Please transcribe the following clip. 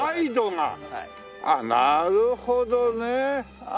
ああなるほどね。